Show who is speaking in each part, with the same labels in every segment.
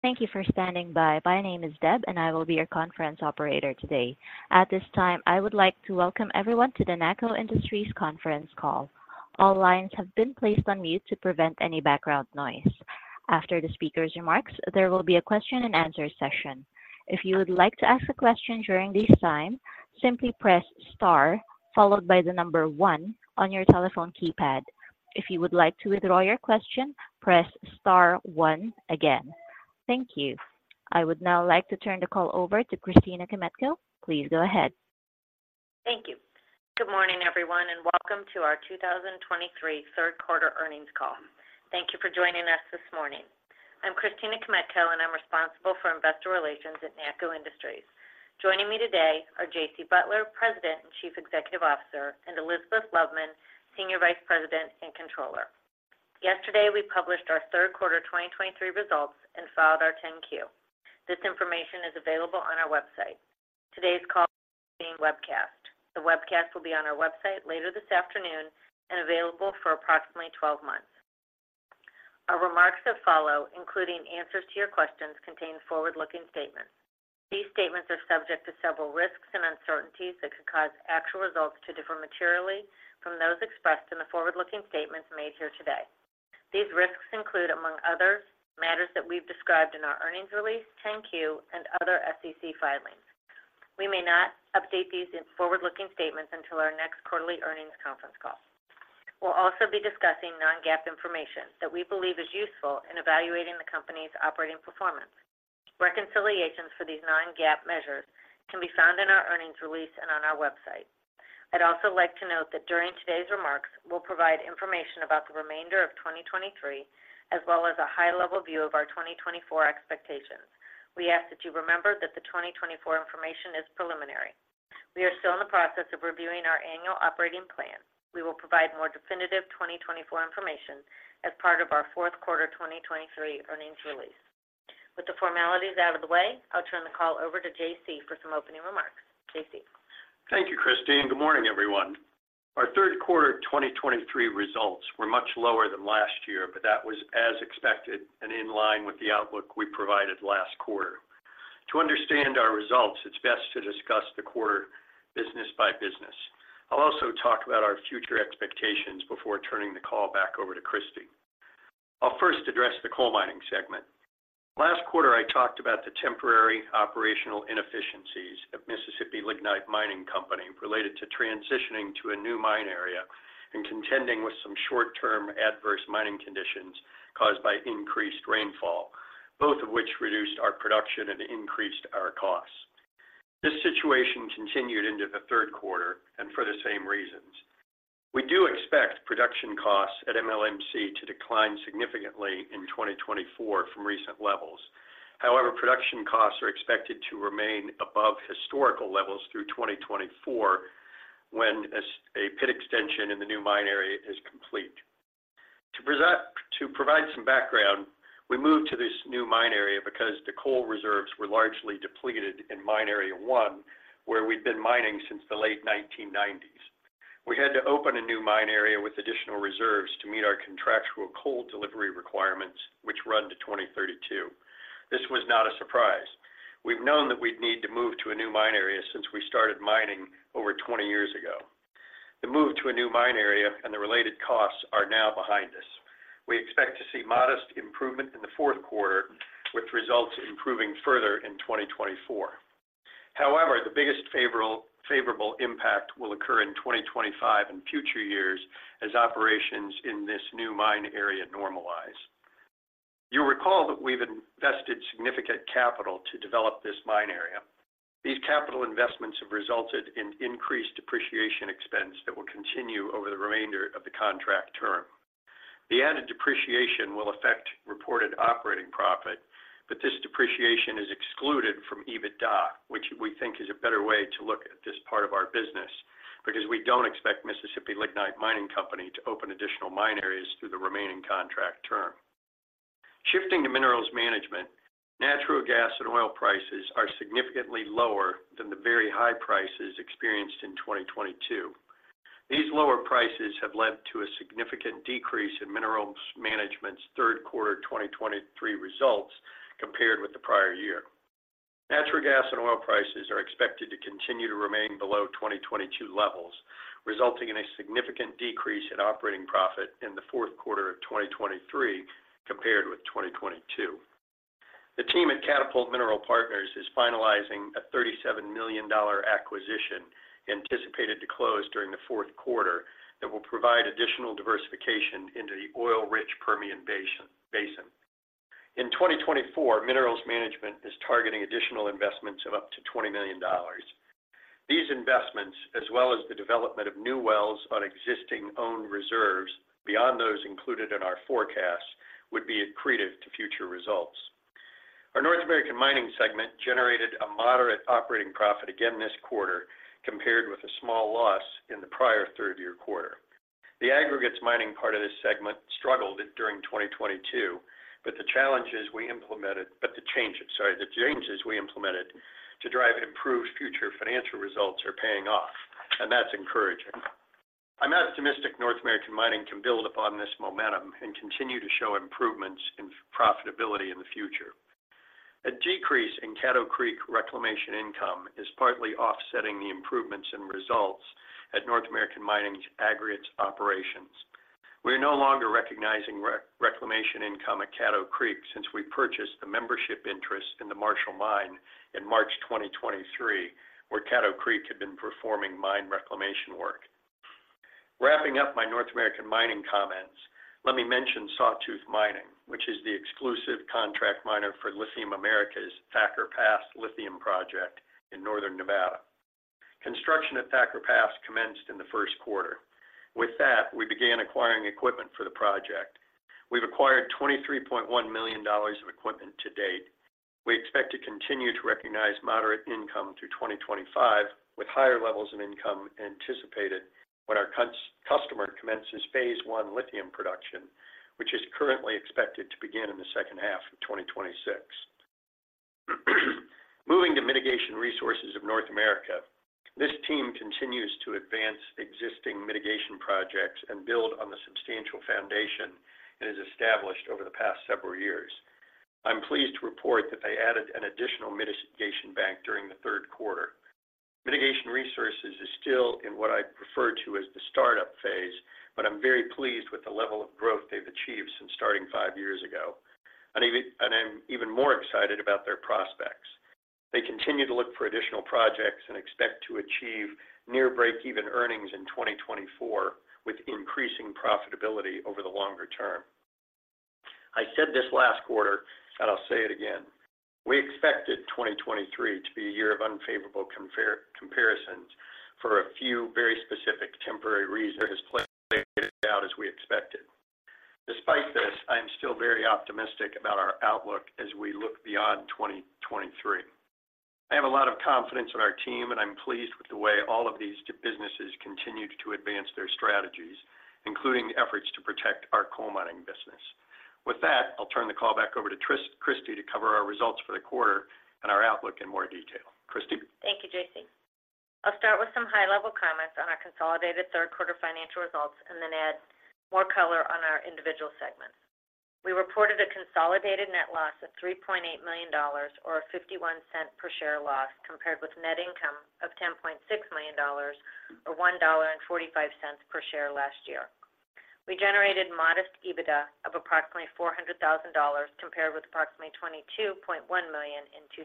Speaker 1: Thank you for standing by. My name is Deb, and I will be your conference operator today. At this time, I would like to welcome everyone to the NACCO Industries Conference Call. All lines have been placed on mute to prevent any background noise. After the speaker's remarks, there will be a question and answer session. If you would like to ask a question during this time, simply press star, followed by the number one on your telephone keypad. If you would like to withdraw your question, press star one again. Thank you. I would now like to turn the call over to Christina Kmetko. Please go ahead.
Speaker 2: Thank you. Good morning, everyone, and welcome to our 2023 third quarter earnings call. Thank you for joining us this morning. I'm Christina Kmetko, and I'm responsible for investor relations at NACCO Industries. Joining me today are J.C. Butler, President and Chief Executive Officer, and Elizabeth Loveman, Senior Vice President and Controller. Yesterday, we published our third quarter 2023 results and filed our 10-Q. This information is available on our website. Today's call is being webcast. The webcast will be on our website later this afternoon and available for approximately 12 months. Our remarks that follow, including answers to your questions, contain forward-looking statements. These statements are subject to several risks and uncertainties that could cause actual results to differ materially from those expressed in the forward-looking statements made here today. These risks include, among others, matters that we've described in our earnings release, 10-Q, and other SEC filings. We may not update these forward-looking statements until our next quarterly earnings conference call. We'll also be discussing non-GAAP information that we believe is useful in evaluating the company's operating performance. Reconciliations for these non-GAAP measures can be found in our earnings release and on our website. I'd also like to note that during today's remarks, we'll provide information about the remainder of 2023, as well as a high-level view of our 2024 expectations. We ask that you remember that the 2024 information is preliminary. We are still in the process of reviewing our annual operating plan. We will provide more definitive 2024 information as part of our fourth quarter 2023 earnings release. With the formalities out of the way, I'll turn the call over to J.C. for some opening remarks. J.C.?
Speaker 3: Thank you, Christina. Good morning, everyone. Our third quarter 2023 results were much lower than last year, but that was as expected and in line with the outlook we provided last quarter. To understand our results, it's best to discuss the quarter business by business. I'll also talk about our future expectations before turning the call back over to Christina. I'll first address the Coal Mining segment. Last quarter, I talked about the temporary operational inefficiencies of Mississippi Lignite Mining Company related to transitioning to a new mine area and contending with some short-term adverse mining conditions caused by increased rainfall, both of which reduced our production and increased our costs. This situation continued into the third quarter and for the same reasons. We do expect production costs at MLMC to decline significantly in 2024 from recent levels. However, production costs are expected to remain above historical levels through 2024, when a pit extension in the new mine area is complete. To provide some background, we moved to this new mine area because the coal reserves were largely depleted in mine area one, where we've been mining since the late 1990s. We had to open a new mine area with additional reserves to meet our contractual coal delivery requirements, which run to 2032. This was not a surprise. We've known that we'd need to move to a new mine area since we started mining over 20 years ago. The move to a new mine area and the related costs are now behind us. We expect to see modest improvement in the fourth quarter, with results improving further in 2024. However, the biggest favorable, favorable impact will occur in 2025 and future years as operations in this new mine area normalize. You'll recall that we've invested significant capital to develop this mine area. These capital investments have resulted in increased depreciation expense that will continue over the remainder of the contract term. The added depreciation will affect reported operating profit, but this depreciation is excluded from EBITDA, which we think is a better way to look at this part of our business, because we don't expect Mississippi Lignite Mining Company to open additional mine areas through the remaining contract term. Shifting to minerals management, natural gas and oil prices are significantly lower than the very high prices experienced in 2022. These lower prices have led to a significant decrease in minerals management's third quarter 2023 results compared with the prior year. Natural gas and oil prices are expected to continue to remain below 2022 levels, resulting in a significant decrease in operating profit in the fourth quarter of 2023 compared with 2022. The team at Catapult Mineral Partners is finalizing a $37 million acquisition, anticipated to close during the fourth quarter, that will provide additional diversification into the oil-rich Permian Basin. In 2024, Minerals Management is targeting additional investments of up to $20 million. These investments, as well as the development of new wells on existing owned reserves beyond those included in our forecasts, would be accretive to future results. Our North American Mining segment generated a moderate operating profit again this quarter, compared with a small loss in the prior-year third quarter. The aggregates mining part of this segment struggled during 2022, but the changes, sorry, the changes we implemented to drive improved future financial results are paying off, and that's encouraging. I'm optimistic North American Mining can build upon this momentum and continue to show improvements in profitability in the future. A decrease in Caddo Creek reclamation income is partly offsetting the improvements in results at North American Mining's aggregates operations. We are no longer recognizing reclamation income at Caddo Creek since we purchased a membership interest in the Marshall Mine in March 2023, where Caddo Creek had been performing mine reclamation work. Wrapping up my North American Mining comments, let me mention Sawtooth Mining, which is the exclusive contract miner for Lithium Americas' Thacker Pass lithium project in northern Nevada. Construction at Thacker Pass commenced in the first quarter. With that, we began acquiring equipment for the project. We've acquired $23.1 million of equipment to date. We expect to continue to recognize moderate income through 2025, with higher levels of income anticipated when our customer commences phase one lithium production, which is currently expected to begin in the second half of 2026. Moving to Mitigation Resources of North America, this team continues to advance existing mitigation projects and build on the substantial foundation it has established over the past several years. I'm pleased to report that they added an additional mitigation bank during the third quarter. Mitigation Resources is still in what I refer to as the startup phase, but I'm very pleased with the level of growth they've achieved since starting five years ago, and I'm even more excited about their prospects. They continue to look for additional projects and expect to achieve near break-even earnings in 2024, with increasing profitability over the longer term. I said this last quarter, and I'll say it again: We expected 2023 to be a year of unfavorable comparisons for a few very specific temporary reasons. It has played out as we expected. Despite this, I am still very optimistic about our outlook as we look beyond 2023. I have a lot of confidence in our team, and I'm pleased with the way all of these two businesses continued to advance their strategies, including efforts to protect our coal mining business. With that, I'll turn the call back over to Christy to cover our results for the quarter and our outlook in more detail. Christy?
Speaker 2: Thank you, J.C. I'll start with some high-level comments on our consolidated third quarter financial results and then add more color on our individual segments. We reported a consolidated net loss of $3.8 million, or a $0.51 per share loss, compared with net income of $10.6 million, or $1.45 per share last year. We generated modest EBITDA of approximately $400,000, compared with approximately $22.1 million in 2022.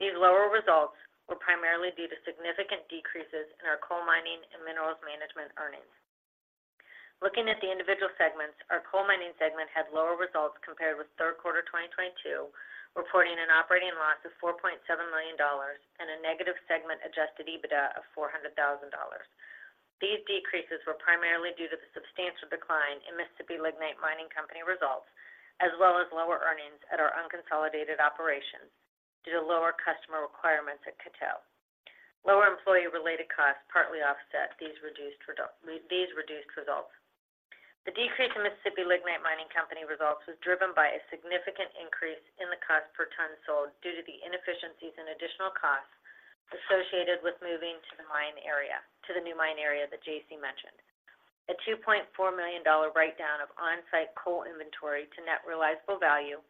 Speaker 2: These lower results were primarily due to significant decreases in our coal mining and minerals management earnings. Looking at the individual segments, our coal mining segment had lower results compared with third quarter 2022, reporting an operating loss of $4.7 million and a negative Segment Adjusted EBITDA of $400,000. These decreases were primarily due to the substantial decline in Mississippi Lignite Mining Company results, as well as lower earnings at our unconsolidated operations due to lower customer requirements at Coteau. Lower employee-related costs partly offset these reduced results. The decrease in Mississippi Lignite Mining Company results was driven by a significant increase in the cost per ton sold due to the inefficiencies and additional costs associated with moving to the mine area, to the new mine area that J.C. mentioned. A $2.4 million write-down of on-site coal inventory to net realizable value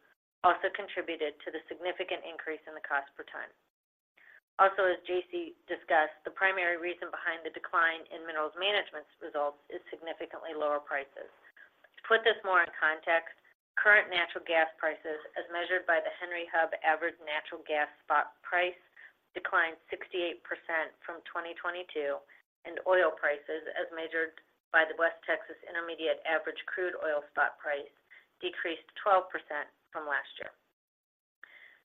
Speaker 2: also contributed to the significant increase in the cost per ton. Also, as J.C. discussed, the primary reason behind the decline in minerals management's results is significantly lower prices. To put this more in context, current natural gas prices, as measured by the Henry Hub average natural gas spot price, declined 68% from 2022, and oil prices, as measured by the West Texas Intermediate average crude oil spot price, decreased 12% from last year.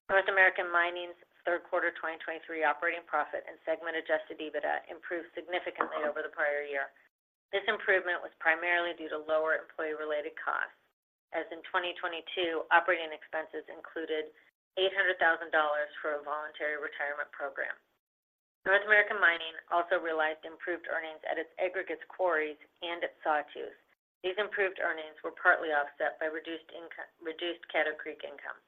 Speaker 2: North American Mining's third quarter 2023 operating profit and segment adjusted EBITDA improved significantly over the prior year. This improvement was primarily due to lower employee-related costs, as in 2022, operating expenses included $800,000 for a voluntary retirement program. North American Mining also realized improved earnings at its aggregates quarries and at Sawtooth. These improved earnings were partly offset by reduced Caddo Creek income.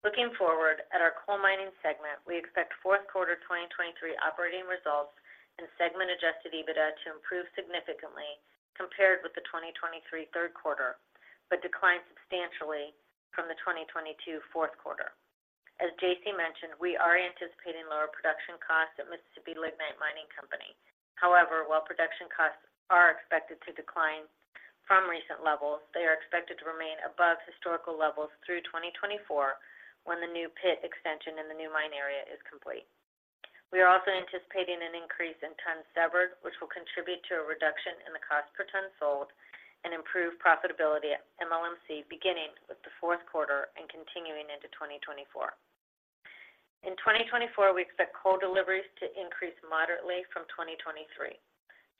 Speaker 2: Looking forward at our coal mining segment, we expect fourth quarter 2023 operating results and Segment Adjusted EBITDA to improve significantly compared with the 2023 third quarter, but decline substantially from the 2022 fourth quarter. As J.C. mentioned, we are anticipating lower production costs at Mississippi Lignite Mining Company. However, while production costs are expected to decline from recent levels, they are expected to remain above historical levels through 2024, when the new pit extension in the new mine area is complete. We are also anticipating an increase in tons severed, which will contribute to a reduction in the cost per ton sold and improve profitability at MLMC, beginning with the fourth quarter and continuing into 2024. In 2024, we expect coal deliveries to increase moderately from 2023.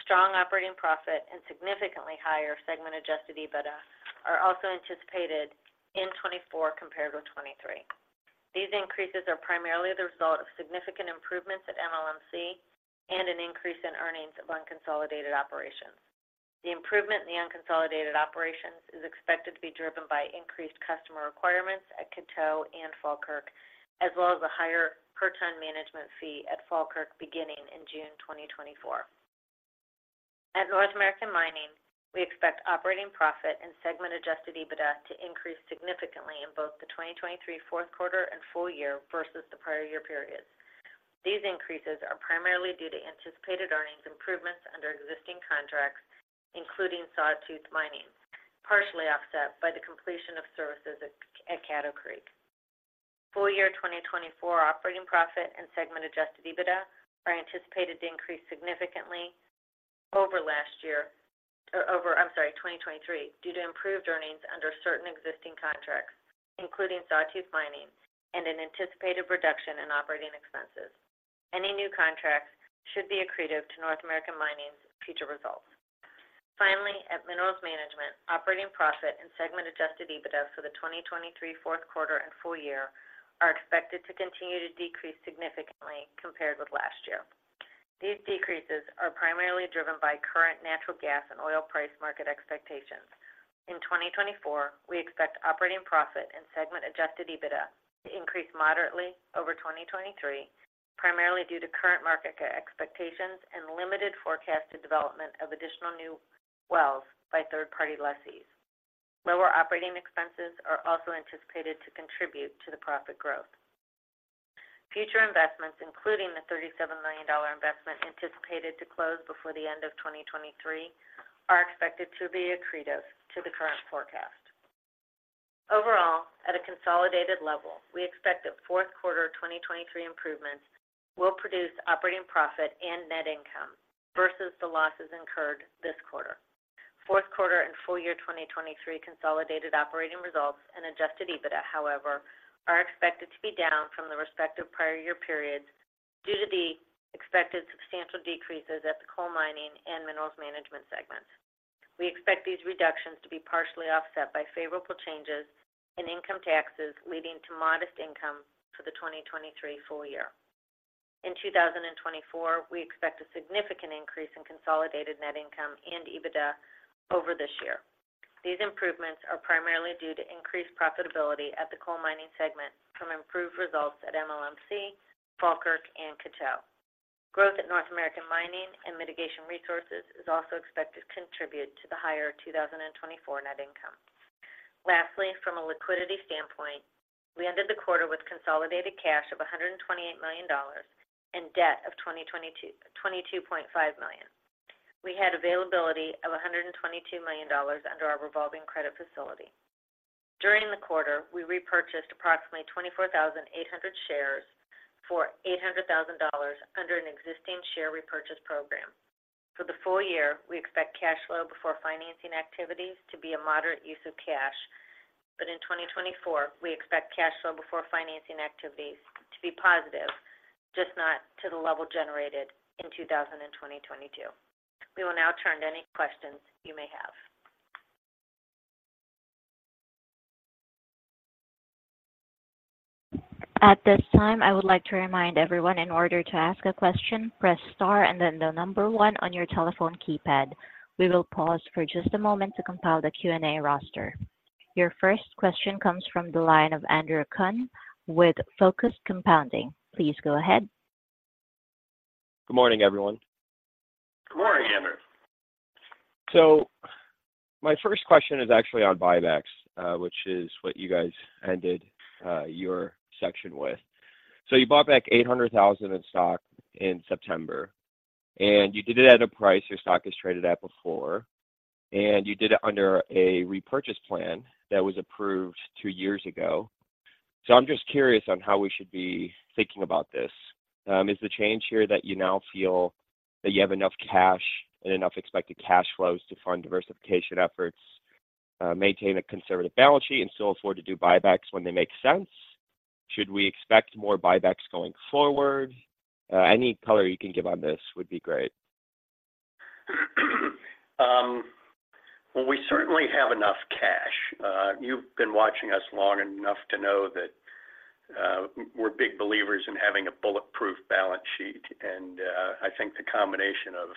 Speaker 2: Strong operating profit and significantly higher Segment Adjusted EBITDA are also anticipated in 2024 compared with 2023. These increases are primarily the result of significant improvements at MLMC and an increase in earnings at unconsolidated operations. The improvement in the unconsolidated operations is expected to be driven by increased customer requirements at Coteau and Falkirk, as well as a higher per-ton management fee at Falkirk, beginning in June 2024. At North American Mining, we expect operating profit and Segment Adjusted EBITDA to increase significantly in both the 2023 fourth quarter and full year versus the prior year periods. These increases are primarily due to anticipated earnings improvements under existing contracts, including Sawtooth Mining, partially offset by the completion of services at Caddo Creek. Full-year 2024 operating profit and Segment Adjusted EBITDA are anticipated to increase significantly over last year—or over, I'm sorry, 2023, due to improved earnings under certain existing contracts, including Sawtooth Mining and an anticipated reduction in operating expenses. Any new contracts should be accretive to North American Mining's future results. Finally, at Minerals Management, operating profit and Segment Adjusted EBITDA for the 2023 fourth quarter and full year are expected to continue to decrease significantly compared with last year. These decreases are primarily driven by current natural gas and oil price market expectations. In 2024, we expect operating profit and Segment Adjusted EBITDA to increase moderately over 2023, primarily due to current market expectations and limited forecasted development of additional new wells by third-party lessees. Lower operating expenses are also anticipated to contribute to the profit growth. Future investments, including the $37 million investment anticipated to close before the end of 2023, are expected to be accretive to the current forecast. Overall, at a consolidated level, we expect that fourth quarter 2023 improvements will produce operating profit and net income versus the losses incurred this quarter. Fourth quarter and full year 2023 consolidated operating results and Adjusted EBITDA, however, are expected to be down from the respective prior year periods due to the expected substantial decreases at the coal mining and minerals management segments. We expect these reductions to be partially offset by favorable changes in income taxes, leading to modest income for the 2023 full year. In 2024, we expect a significant increase in consolidated net income and EBITDA over this year. These improvements are primarily due to increased profitability at the coal mining segment from improved results at MLMC, Falkirk, and Coteau. Growth at North American Mining and Mitigation Resources is also expected to contribute to the higher 2024 net income. Lastly, from a liquidity standpoint, we ended the quarter with consolidated cash of $128 million and debt of $22.5 million. We had availability of $122 million under our revolving credit facility. During the quarter, we repurchased approximately 24,800 shares for $800,000 under an existing share repurchase program. For the full year, we expect cash flow before financing activities to be a moderate use of cash, but in 2024, we expect cash flow before financing activities to be positive, just not to the level generated in 2022. We will now turn to any questions you may have.
Speaker 1: At this time, I would like to remind everyone, in order to ask a question, press Star and then the number 1 on your telephone keypad. We will pause for just a moment to compile the Q&A roster. Your first question comes from the line of Andrew Kuhn with Focus Compounding. Please go ahead.
Speaker 4: Good morning, everyone.
Speaker 3: Good morning, Andrew.
Speaker 4: So my first question is actually on buybacks, which is what you guys ended your section with. So you bought back 800,000 in stock in September, and you did it at a price your stock has traded at before, and you did it under a repurchase plan that was approved two years ago. So I'm just curious on how we should be thinking about this. Is the change here that you now feel that you have enough cash and enough expected cash flows to fund diversification efforts, maintain a conservative balance sheet, and still afford to do buybacks when they make sense? Should we expect more buybacks going forward? Any color you can give on this would be great.
Speaker 3: Well, we certainly have enough cash. You've been watching us long enough to know that, we're big believers in having a bulletproof balance sheet, and I think the combination of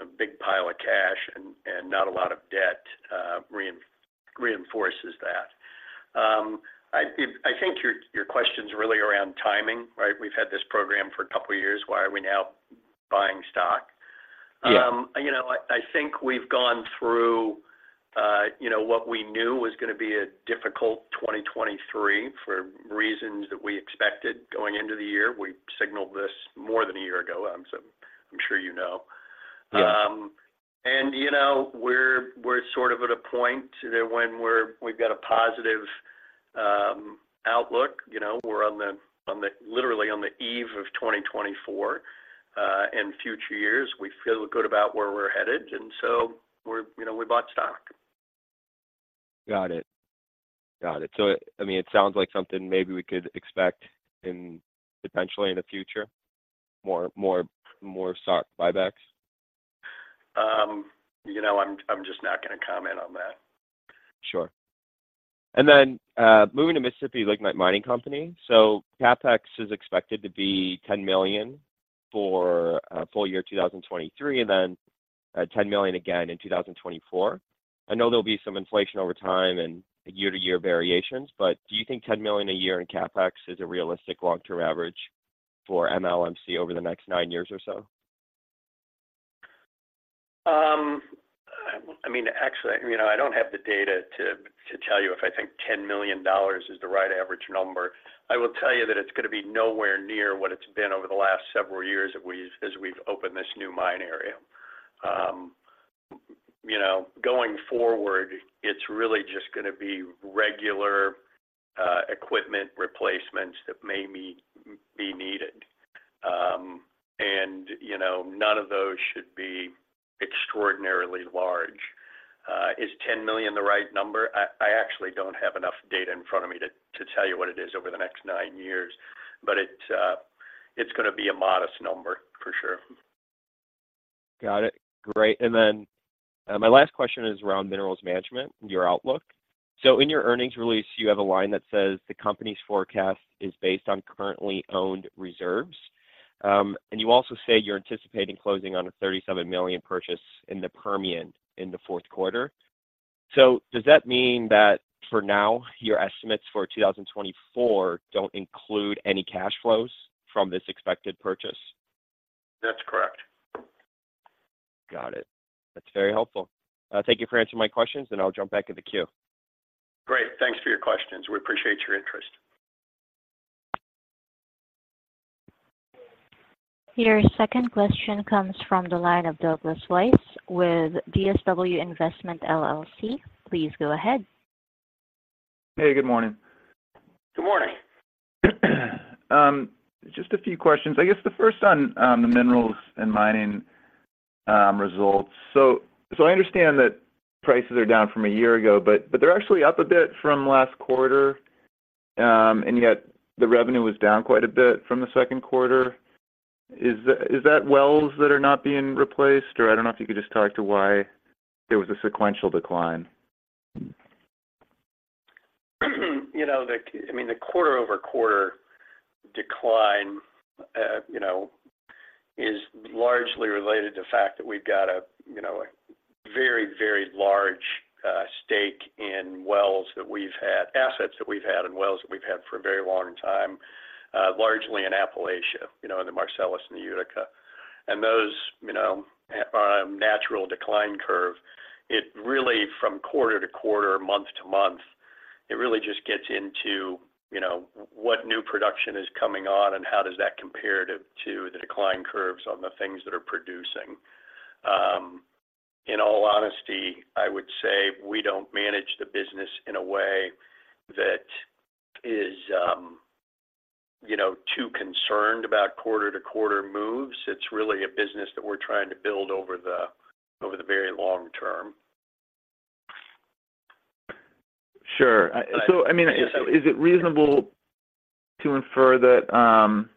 Speaker 3: a big pile of cash and not a lot of debt reinforces that. I think your question's really around timing, right? We've had this program for a couple of years. Why are we now buying stock?
Speaker 4: Yeah.
Speaker 3: You know, I think we've gone through, you know, what we knew was gonna be a difficult 2023 for reasons that we expected going into the year. We signaled this more than a year ago, so I'm sure you know.
Speaker 4: Yeah.
Speaker 3: And, you know, we're sort of at a point that when we're—we've got a positive outlook, you know, we're on the literally on the eve of 2024 and future years. We feel good about where we're headed, and so we're, you know, we bought stock.
Speaker 4: Got it. Got it. So, I mean, it sounds like something maybe we could expect in, potentially in the future, more, more, more stock buybacks?
Speaker 3: You know, I'm just not gonna comment on that.
Speaker 4: Sure. And then, moving to Mississippi Lignite Mining Company. So CapEx is expected to be $10 million for a full year, 2023, and then $10 million again in 2024. I know there'll be some inflation over time and year-to-year variations, but do you think $10 million a year in CapEx is a realistic long-term average for MLMC over the next nine years or so?
Speaker 3: I mean, actually, you know, I don't have the data to tell you if I think $10 million is the right average number. I will tell you that it's gonna be nowhere near what it's been over the last several years that we've opened this new mine area. you know, going forward, it's really just gonna be regular equipment replacements that may be needed. And, you know, none of those should be extraordinarily large. Is $10 million the right number? I actually don't have enough data in front of me to tell you what it is over the next nine years, but it's gonna be a modest number for sure.
Speaker 4: Got it. Great. Then, my last question is around minerals management, your outlook. So in your earnings release, you have a line that says, "The company's forecast is based on currently owned reserves." And you also say you're anticipating closing on a $37 million purchase in the Permian in the fourth quarter. So does that mean that for now, your estimates for 2024 don't include any cash flows from this expected purchase?
Speaker 3: That's correct.
Speaker 4: Got it. That's very helpful. Thank you for answering my questions, and I'll jump back in the queue.
Speaker 3: Great. Thanks for your questions. We appreciate your interest.
Speaker 1: Your second question comes from the line of Douglas Weiss with DSW Investment LLC. Please go ahead.
Speaker 5: Hey, good morning.
Speaker 3: Good morning.
Speaker 5: Just a few questions. I guess the first on, the minerals and mining, results. So, I understand that prices are down from a year ago, but they're actually up a bit from last quarter, and yet the revenue was down quite a bit from the second quarter. Is that wells that are not being replaced, or I don't know if you could just talk to why there was a sequential decline?
Speaker 3: You know, I mean, the quarter-over-quarter decline, you know, is largely related to the fact that we've got a, you know, a very, very large stake in wells that we've had, assets that we've had, and wells that we've had for a very long time, largely in Appalachia, you know, in the Marcellus and the Utica. Those, you know, are on a natural decline curve. It really, from quarter-to-quarter, month-to-month, it really just gets into, you know, what new production is coming on and how does that compare to the decline curves on the things that are producing. In all honesty, I would say we don't manage the business in a way that is, you know, too concerned about quarter-to-quarter moves. It's really a business that we're trying to build over the very long term.
Speaker 5: Sure. I-
Speaker 3: Yeah.
Speaker 5: So I mean, is it reasonable to infer that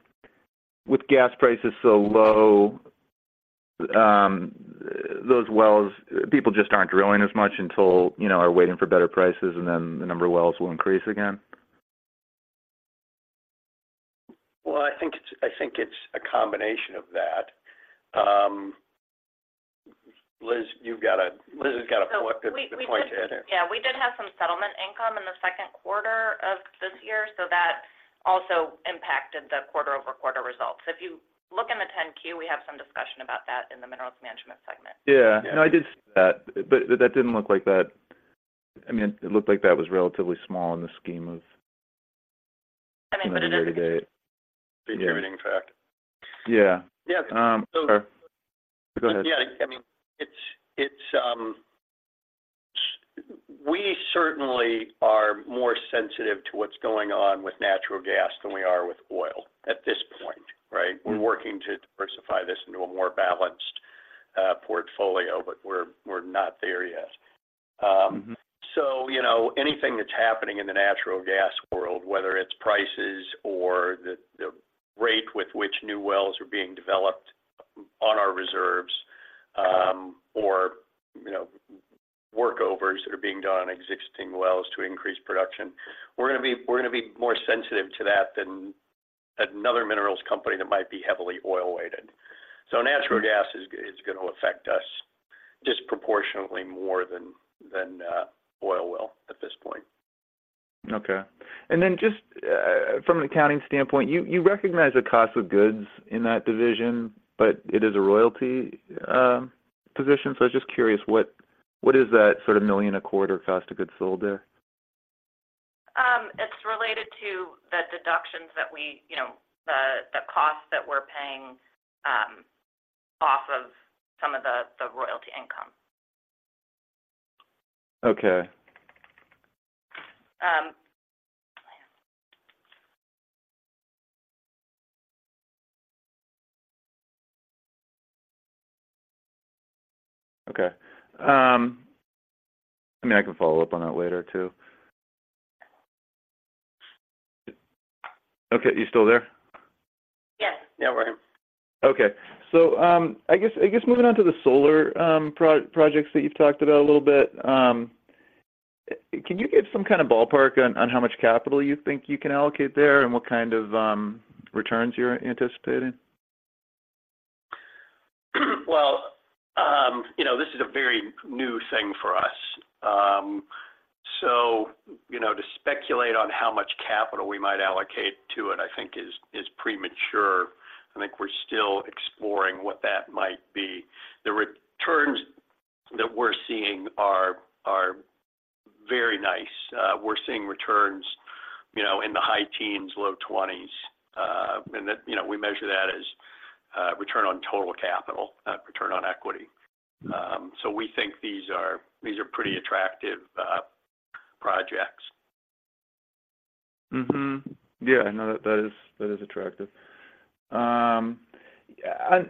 Speaker 5: with gas prices so low, those wells, people just aren't drilling as much until, you know, are waiting for better prices, and then the number of wells will increase again?
Speaker 3: Well, I think it's a combination of that. Liz, you've got a... Liz has got a point to add in.
Speaker 6: So, yeah, we did have some settlement income in the second quarter of this year, so that also impacted the quarter-over-quarter results. If you look in the 10-Q, we have some discussion about that in the Minerals Management segment.
Speaker 5: Yeah.
Speaker 3: Yeah.
Speaker 5: No, I did see that, but that didn't look like that... I mean, it looked like that was relatively small in the scheme of-
Speaker 6: I mean, but it is-
Speaker 5: -the day-to-day.
Speaker 3: The generating factor.
Speaker 5: Yeah.
Speaker 3: Yeah.
Speaker 5: Go ahead.
Speaker 3: Yeah, I mean, it's, we certainly are more sensitive to what's going on with natural gas than we are with oil at this point, right? We're working to diversify this into a more balanced portfolio, but we're not there yet. So, you know, anything that's happening in the natural gas world, whether it's prices or the rate with which new wells are being developed on our reserves, or, you know, workovers that are being done on existing wells to increase production, we're gonna be, we're gonna be more sensitive to that than another minerals company that might be heavily oil-weighted. Natural gas is gonna affect us disproportionately more than oil will at this point.
Speaker 5: Okay. And then just from an accounting standpoint, you recognize the cost of goods in that division, but it is a royalty position. So I'm just curious, what is that sort of $1 million a quarter cost of goods sold there?
Speaker 6: It's related to the deductions that we, you know, the cost that we're paying off of some of the royalty income.
Speaker 5: Okay. Okay. I mean, I can follow up on that later, too.... Okay, you still there?
Speaker 6: Yes.
Speaker 3: Yeah, we're here.
Speaker 5: Okay. So, I guess moving on to the solar projects that you've talked about a little bit, can you give some kind of ballpark on how much capital you think you can allocate there, and what kind of returns you're anticipating?
Speaker 3: Well, you know, this is a very new thing for us. So, you know, to speculate on how much capital we might allocate to it, I think is premature. I think we're still exploring what that might be. The returns that we're seeing are very nice. We're seeing returns, you know, in the high teens, low twenties. And that, you know, we measure that as return on total capital, not return on equity. So we think these are pretty attractive projects.
Speaker 5: Yeah, I know that that is, that is attractive. Yeah,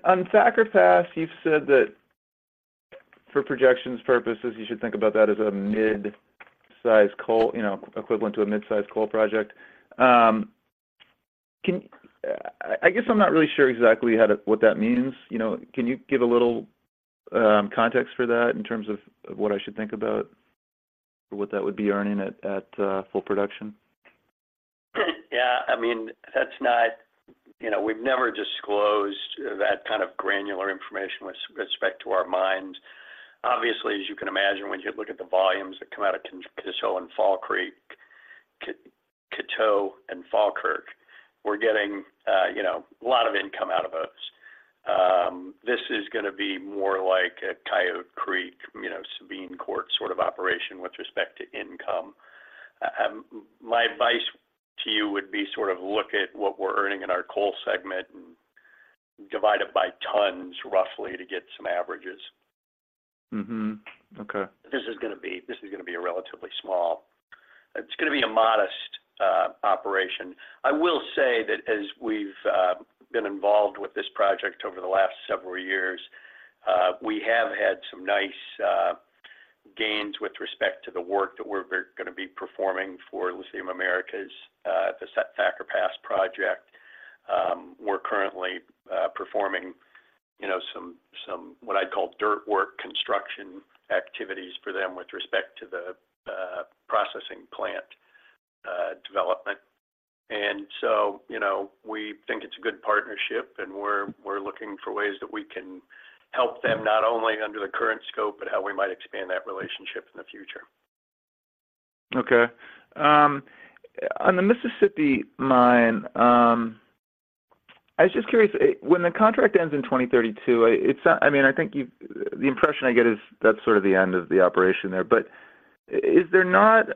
Speaker 5: on Thacker Pass, you've said that for projections purposes, you should think about that as a mid-size coal, you know, equivalent to a mid-size coal project. I guess I'm not really sure exactly how to—what that means. You know, can you give a little context for that in terms of what I should think about, or what that would be earning at full production?
Speaker 3: Yeah. I mean, that's not... You know, we've never disclosed that kind of granular information with respect to our mine. Obviously, as you can imagine, when you look at the volumes that come out of Coteau and Falkirk, we're getting, you know, a lot of income out of those. This is gonna be more like a Coyote Creek, you know, Sabine sort of operation with respect to income. My advice to you would be sort of look at what we're earning in our coal segment and divide it by tons roughly to get some averages.
Speaker 5: Okay.
Speaker 3: This is gonna be a relatively small... It's gonna be a modest operation. I will say that as we've been involved with this project over the last several years, we have had some nice gains with respect to the work that we're gonna be performing for Lithium Americas at the Thacker Pass project. We're currently performing, you know, some what I'd call dirt work construction activities for them with respect to the processing plant development. And so, you know, we think it's a good partnership, and we're looking for ways that we can help them, not only under the current scope, but how we might expand that relationship in the future.
Speaker 5: Okay. On the Mississippi mine, I was just curious, when the contract ends in 2032, I, it's not... I mean, I think the impression I get is that's sort of the end of the operation there. But is there not,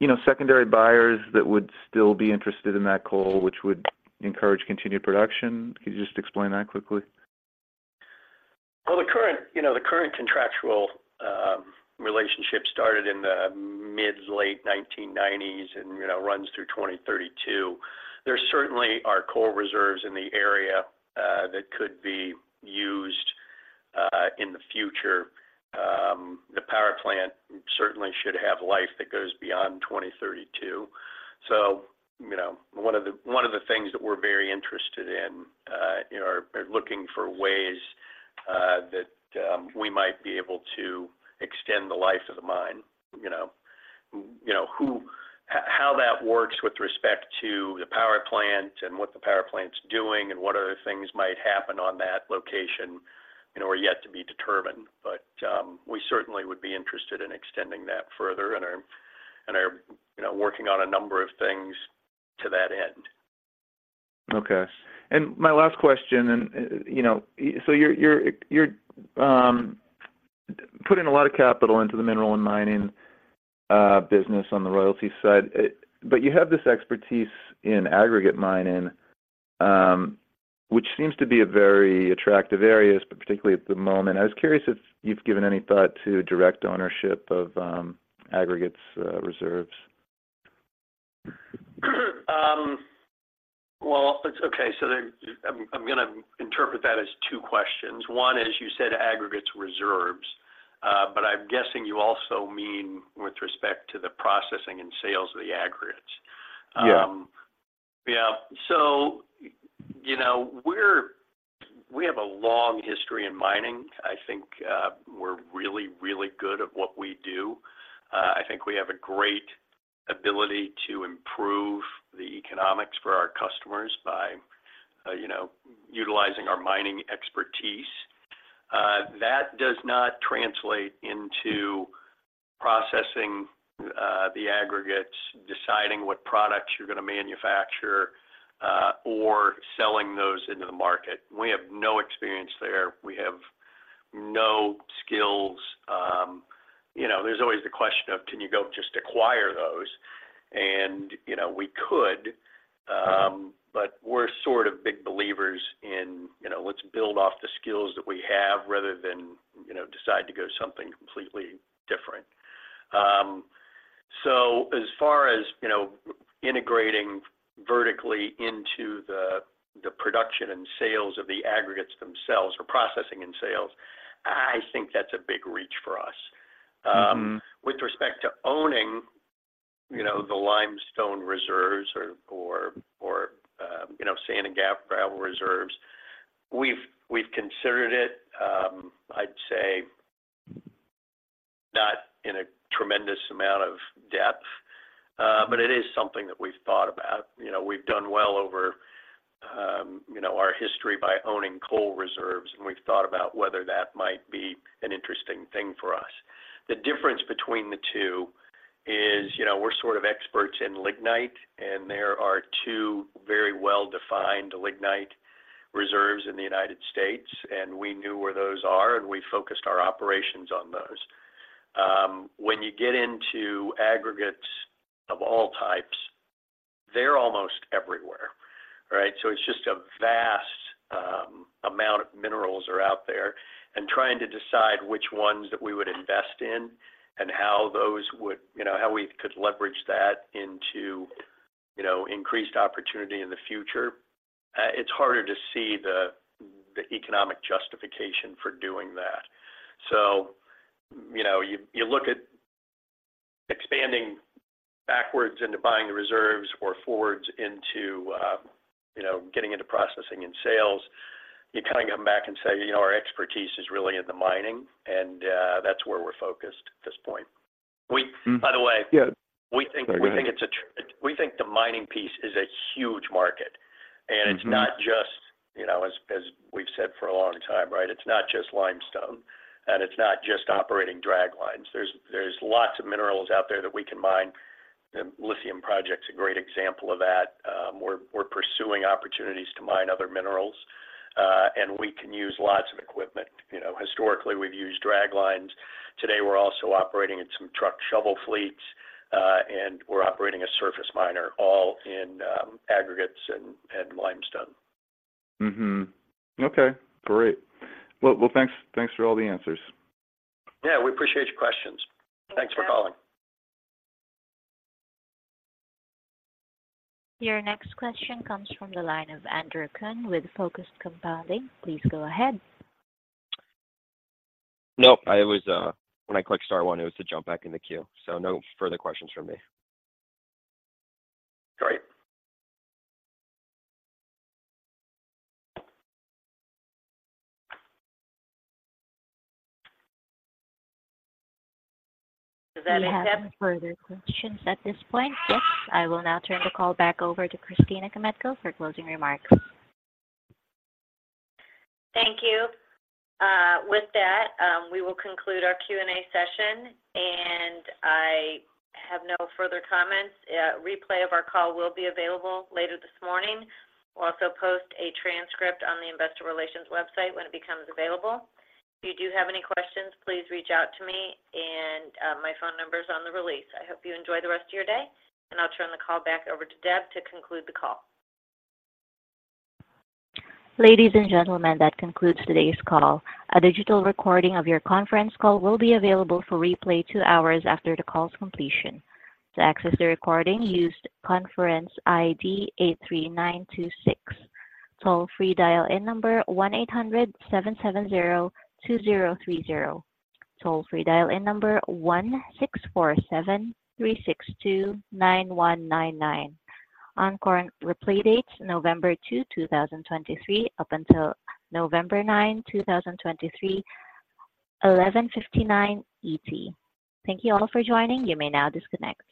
Speaker 5: you know, secondary buyers that would still be interested in that coal, which would encourage continued production? Can you just explain that quickly?
Speaker 3: Well, the current, you know, the current contractual relationship started in the mid-late 1990s and, you know, runs through 2032. There certainly are coal reserves in the area that could be used in the future. The power plant certainly should have life that goes beyond 2032. So, you know, one of the things that we're very interested in, you know, are looking for ways that we might be able to extend the life of the mine, you know. You know, how that works with respect to the power plant and what the power plant's doing, and what other things might happen on that location, you know, are yet to be determined. But, we certainly would be interested in extending that further, and are, you know, working on a number of things to that end.
Speaker 5: Okay. And my last question, you know, so you're putting a lot of capital into the mineral and mining business on the royalty side. But you have this expertise in aggregate mining, which seems to be a very attractive areas, but particularly at the moment. I was curious if you've given any thought to direct ownership of aggregates reserves?
Speaker 3: Well, it's... Okay, so I'm gonna interpret that as two questions. One, as you said, aggregates reserves, but I'm guessing you also mean with respect to the processing and sales of the aggregates.
Speaker 5: Yeah.
Speaker 3: Yeah. So, you know, we have a long history in mining. I think we're really, really good at what we do. I think we have a great ability to improve the economics for our customers by, you know, utilizing our mining expertise. That does not translate into processing the aggregates, deciding what products you're gonna manufacture, or selling those into the market. We have no experience there. We have no skills. You know, there's always the question of: Can you go just acquire those? And, you know, we could, but we're sort of big believers in, you know, let's build off the skills that we have rather than, you know, decide to go something completely different. So as far as, you know, integrating vertically into the production and sales of the aggregates themselves, or processing and sales, I think that's a big reach for us. With respect to owning, you know, the limestone reserves or, you know, sand and gravel reserves, we've considered it. I'd say not in a tremendous amount of depth, but it is something that we've thought about. You know, we've done well over, you know, our history by owning coal reserves, and we've thought about whether that might be an interesting thing for us. The difference between the two is, you know, we're sort of experts in lignite, and there are two very well-defined lignite reserves in the United States, and we knew where those are, and we focused our operations on those. When you get into aggregates of all types, they're almost everywhere, right? So it's just a vast, amount of minerals are out there, and trying to decide which ones that we would invest in and how those would... You know, how we could leverage that into, you know, increased opportunity in the future, it's harder to see the economic justification for doing that. So, you know, you look at expanding backwards into buying the reserves or forwards into, you know, getting into processing and sales, you kind of come back and say, "You know, our expertise is really in the mining, and, that's where we're focused at this point." We By the way-
Speaker 5: Yeah.
Speaker 3: We think-
Speaker 5: Go ahead.
Speaker 3: We think the mining piece is a huge market. And it's not just, you know, as we've said for a long time, right? It's not just limestone, and it's not just operating draglines. There's lots of minerals out there that we can mine. The lithium project's a great example of that. We're pursuing opportunities to mine other minerals, and we can use lots of equipment. You know, historically, we've used draglines. Today, we're also operating in some truck shovel fleets, and we're operating a surface miner, all in aggregates and limestone.
Speaker 5: Okay, great. Well, thanks for all the answers.
Speaker 3: Yeah, we appreciate your questions.
Speaker 6: Thanks.
Speaker 3: Thanks for calling.
Speaker 1: Your next question comes from the line of Andrew Kuhn with Focus Compounding. Please go ahead.
Speaker 4: Nope, I was... When I clicked star one, it was to jump back in the queue, so no further questions from me.
Speaker 3: Great.
Speaker 6: Does that attempt-
Speaker 1: We have no further questions at this point. Yes, I will now turn the call back over to Christina Kmetko for closing remarks.
Speaker 2: Thank you. With that, we will conclude our Q&A session, and I have no further comments. Replay of our call will be available later this morning. We'll also post a transcript on the investor relations website when it becomes available. If you do have any questions, please reach out to me, and my phone number is on the release. I hope you enjoy the rest of your day, and I'll turn the call back over to Deb to conclude the call.
Speaker 1: Ladies and gentlemen, that concludes today's call. A digital recording of your conference call will be available for replay two hours after the call's completion. To access the recording, use conference ID 83926. Toll-free dial-in number: 1-800-770-2030. Toll-free dial-in number: 1-647-362-9199. Encore replay dates, November 2, 2023, up until November 9, 2023, 11:59 ET. Thank you all for joining. You may now disconnect.